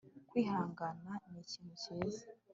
kwihangana ni ikintu cyiza